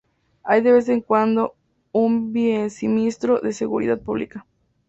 Hay de vez en cuando un viceministro de Seguridad Pública.